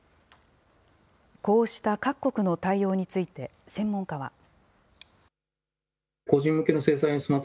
こうした各国の対応について、専門家は。